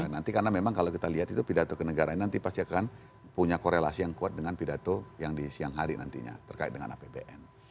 nanti karena memang kalau kita lihat itu pidato kenegaraan nanti pasti akan punya korelasi yang kuat dengan pidato yang di siang hari nantinya terkait dengan apbn